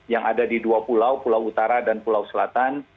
yang ada di dua pulau pulau utara dan pulau selatan